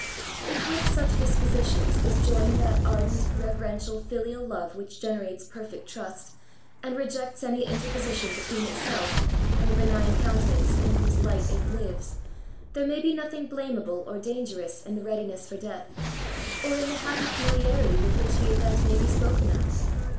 If with such dispositions is joined that ardent, reverential filial love which gene rates perfect trust, and rejects any interposition between itself and the benign countenance in whose light it lives, there may be nothing blame able or dangerous in the readiness for death, or in the happy familiarity with which the event may DEATH TO THB INVALID. 117 be spoken of.